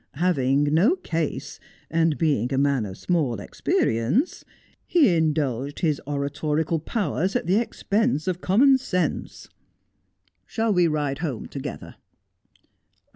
Having no case, and being a man of small ex perience, he indulged his oratorical powers at the expense of common sense. Shall we ride home together